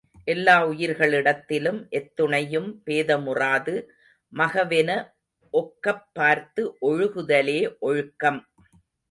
எல்லா உயிர்களிடத்திலும் எத்துணையும் பேதமுறாது, மகவென ஒக்கப் பார்த்து ஒழுகுதலே ஒழுக்கம்.